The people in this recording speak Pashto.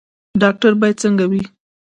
ډاکټر باید څنګه وي؟